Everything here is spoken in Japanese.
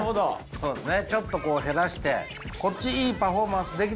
そうですね。